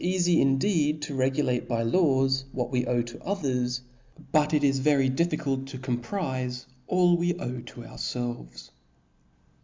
It is eafy indeed to regulate by laws what we owe to others 5 but it is very difficult to comprife all we owe to ourfelves.